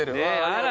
あら。